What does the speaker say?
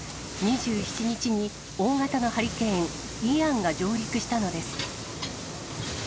２７日に大型のハリケーン・イアンが上陸したのです。